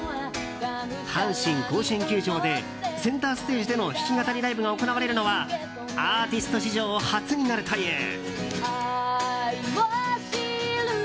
阪神甲子園球場でセンターステージでの弾き語りライブが行われるのはアーティスト史上初になるという。